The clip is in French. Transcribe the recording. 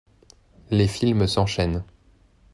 Les films s'enchaînent.